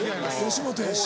吉本やし。